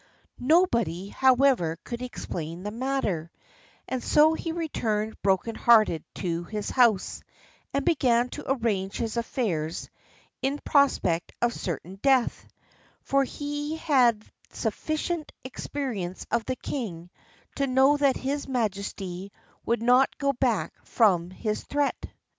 Nobody, however, could explain the matter; and so he returned broken hearted to his house, and began to arrange his affairs in prospect of certain death, for he had had sufficient experience of the king to know that his majesty would not go back from his threat.